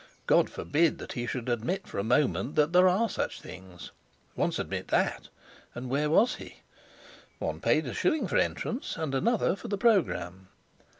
God forbid that he should admit for a moment that there are such things! Once admit that, and where was he? One paid a shilling for entrance, and another for the programme.